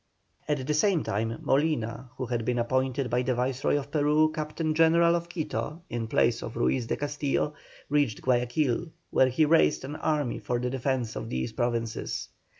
At the same time Molina, who had been appointed by the Viceroy of Peru captain general of Quito in place of Ruiz de Castillo, reached Guayaquil, where he raised an army for the defence of these provinces.